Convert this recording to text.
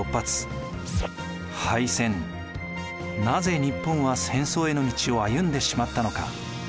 なぜ日本は戦争への道を歩んでしまったのか？